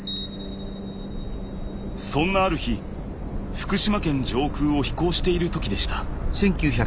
そんなある日福島県上空を飛行している時でした。